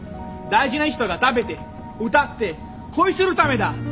大事な人が食べて歌って恋するためだ！